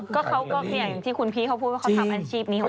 ก็เขาก็อย่างที่คุณพี่เขาพูดว่าเขาทำอาชีพนี้ของเขา